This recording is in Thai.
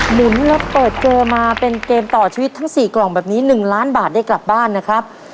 หนุนแล้วเปิดเกมมาเป็นเกมต่อชีวิตทั้ง๔กล่องแบบนี้๑ล้านบาทได้กลับบ้านนะครับ